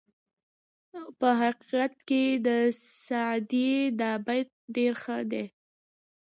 په حقیقت کې د سعدي دا بیت ډېر ښه دی.